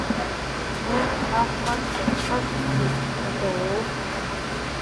Меҳ, ахәмаршьа ихашҭӡеит убауоу.